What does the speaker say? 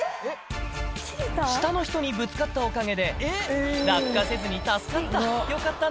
下の人にぶつかったおかげで、落下せずに助かった。